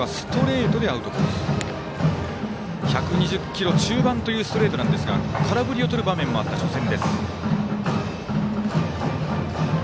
１２０キロ中盤というストレートですが空振りをとる場面もあった初戦。